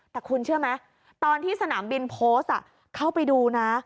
แต่คุณเชื่อไหมตอนที่สนามบินโพสต์เข้าไปดูนะ